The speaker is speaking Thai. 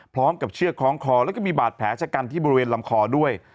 เชือกคล้องคอแล้วก็มีบาดแผลชะกันที่บริเวณลำคอด้วย